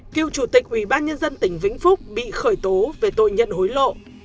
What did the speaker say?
cựu chủ tịch ủy ban nhân dân tỉnh vĩnh phúc bị khởi tố về tội nhận hối lộ